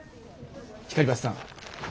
光橋さん